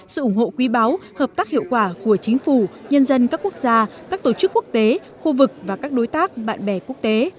sự ủng hộ quý báo hợp tác hiệu quả của chính phủ nhân dân các quốc gia các tổ chức quốc tế khu vực và các đối tác bạn bè quốc tế